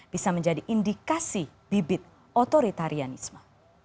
bisa menjadi indikasi bibit otoritarianisme